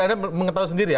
anda tahu sendiri ya